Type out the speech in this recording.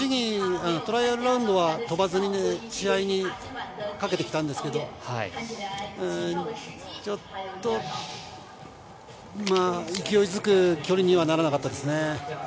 トライアルラウンドは飛ばずに、試合にかけてきたんですけど、ちょっと勢いづく距離にはならなかったですね。